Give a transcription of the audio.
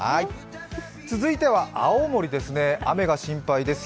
続いては青森ですね雨が心配です。